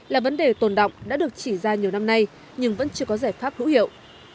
là vấn đề tồn động đã được chỉ ra nhiều năm nay nhưng vẫn chưa có giải pháp hữu hiệu